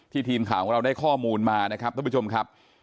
ทีมข่าวของเราได้ข้อมูลมานะครับท่านผู้ชมครับ